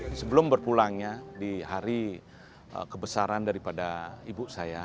ini adalah hal yang terakhir di hari kebesaran daripada ibu saya